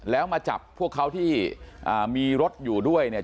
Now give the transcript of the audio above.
แล้วมาจับพวกเขาที่มีรถอยู่ด้วยเนี่ย